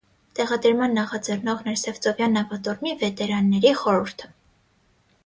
Տեղադրման նախաձեռնողն էր Սևծովյան նավատորմի վետերանների խորհուրդը։